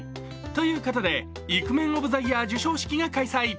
ということで、イクメンオブザイヤー授賞式が開催。